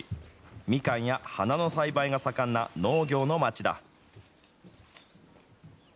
ミカンや花の栽培が盛んな農業の町だ。